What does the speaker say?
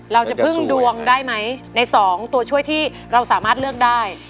เราจะพึ่งดวงได้ไหมใน๒ตัวช่วยที่เราสามารถเลือกได้